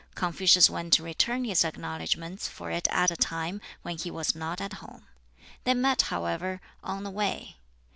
Confucius went to return his acknowledgments for it at a time when he was not at home. They met, however, on the way.